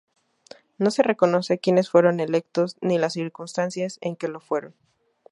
No se conoce quienes fueron electos, ni las circunstancias en que lo fueron.